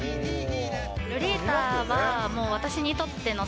ロリータはもう私にとっての